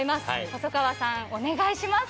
細川さん、お願いします。